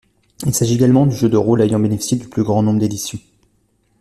Il s'agit également du jeu de rôle ayant bénéficié du plus grand nombre d'éditions.